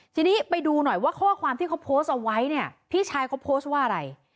ทีนี้ไปดูหน่อยว่าข้อความที่เขาโพสต์เอาไว้เนี่ยพี่ชายเขาโพสต์ว่าอะไร